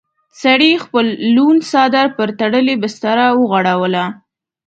سړي خپل لوند څادر پر تړلې بستره وغوړاوه.